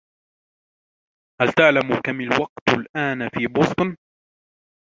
هل تعلم كم الوقت الأن في بوسطن؟